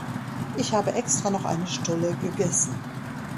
Ich habe extra noch eine Stulle gegessen.